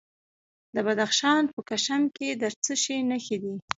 د بدخشان په کشم کې د څه شي نښې دي؟